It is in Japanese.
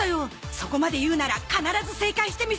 そこまで言うなら必ず正解してみせる！